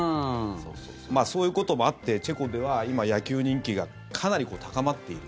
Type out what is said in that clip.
そういうこともあってチェコでは今、野球人気がかなり高まっている。